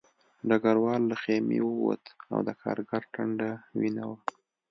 ډګروال له خیمې ووت او د کارګر ټنډه وینه وه